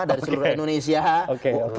dari seluruh indonesia oke